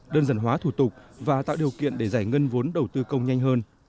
đơn giản hóa thủ tục và tạo điều kiện để giải ngân vốn đầu tư công nhanh hơn